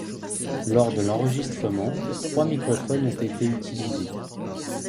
Lors de l'enregistrement, trois microphones ont été utilisés.